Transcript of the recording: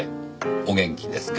お元気ですか？」